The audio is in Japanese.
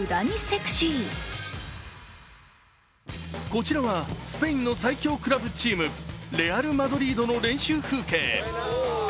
こちらはスペインの最強クラブチーム、レアル・マドリードの練習風景。